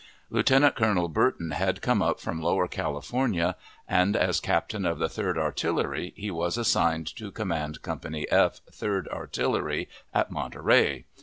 Lieutenant Colonel Burton had come up from Lower California, and, as captain of the Third Artillery, he was assigned to command Company F, Third Artillery, at Monterey.